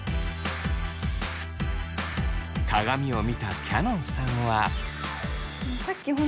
鏡を見たきゃのんさんは。